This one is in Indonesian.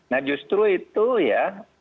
nah justru itu ya